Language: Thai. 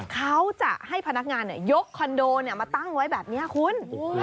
เขาจะให้พนักงานยกคอนโดมาตั้งไว้แบบนี้คุณ